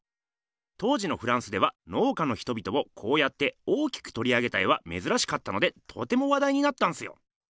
当時のフランスでは農家の人々をこうやって大きくとり上げた絵はめずらしかったのでとてもわだいになったんすよ。